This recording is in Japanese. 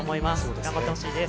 頑張ってほしいです。